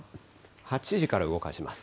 ８時から動かします。